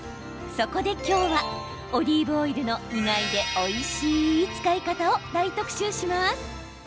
そこで今日はオリーブオイルの意外でおいしい使い方を大特集します。